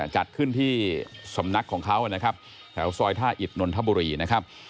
จัดขึ้นที่สำนักของเขานะครับแถวซอยท่าอิดนนทบุรีนะครับ